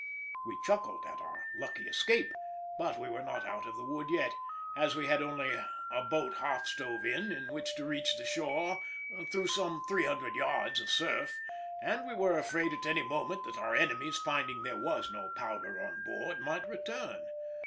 We chuckled at our lucky escape, but we were not out of the wood yet, as we had only a boat half stove in, in which to reach the shore through some 300 yards of surf, and we were afraid at any moment that our enemies finding there was no powder on board might return.